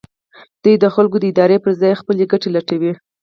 دوی د خلکو د ارادې پر ځای خپلې ګټې لټوي.